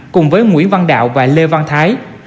cùng với nguyễn văn đạo và lê văn thái